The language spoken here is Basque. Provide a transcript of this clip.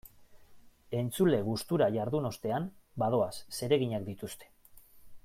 Entzule gustura jardun ostean, badoaz, zereginak dituzte.